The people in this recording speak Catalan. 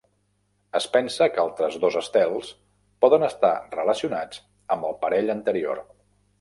Es pensa que altres dos estels poden estar relacionats amb el parell anterior.